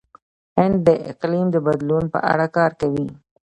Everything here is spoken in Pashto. هند د اقلیم د بدلون په اړه کار کوي.